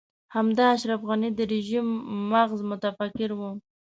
همدا اشرف غني د رژيم مغز متفکر و.